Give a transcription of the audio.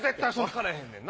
分かれへんねんな。